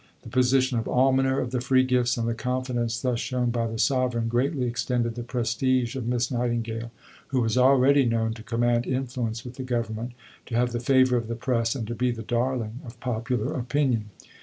The position of Almoner of the Free Gifts and the confidence thus shown by the Sovereign greatly extended the prestige of Miss Nightingale, who was already known to command influence with the Government, to have the favour of the Press, and to be the darling of popular opinion.